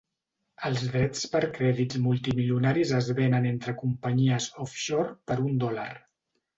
Els drets per crèdits multimilionaris es venen entre companyies ‘offshore’ per un dòlar.